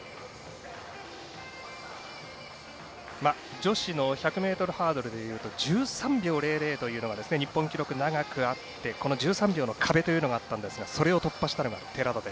女子の１００ｍハードルでいうと１３秒００というのが日本記録長くあってこの１３秒の壁というのがあったんですがそれを突破したのが寺田で。